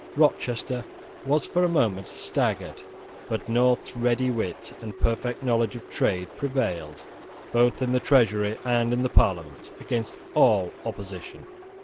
Rochester was for a moment staggered; but North's ready wit and perfect knowledge of trade prevailed, both in the Treasury and in the Parliament, against all opposition.